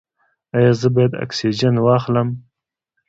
ایا زه باید اکسیجن واخلم؟